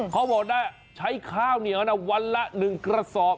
เค้าบอกใช้ข้าวเค้าวันละหนึ่งกระสอบ